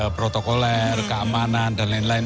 protokoler keamanan dan lain lain